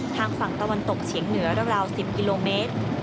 ทางฝั่งตะวันตกเฉียงเหนือราว๑๐กิโลเมตร